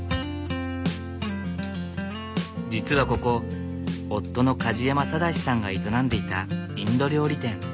実はここ夫の梶山正さんが営んでいたインド料理店。